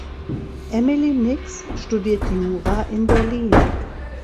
Emily Nix studiert Jura in Berlin.